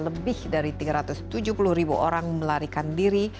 lebih dari tiga ratus tujuh puluh ribu orang melarikan diri